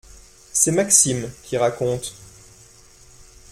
C’est Maxime qui raconte.